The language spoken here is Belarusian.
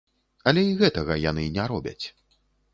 Але і гэтага яны не робяць!